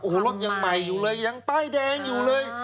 โอ้โหรถยังใหม่อยู่เลยยังป้ายแดงอยู่เลย